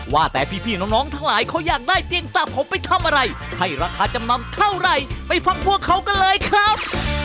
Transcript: ว่าแต่พี่น้องทั้งหลายเขาอยากได้เตียงสระผมไปทำอะไรให้ราคาจำนำเท่าไหร่ไปฟังพวกเขากันเลยครับ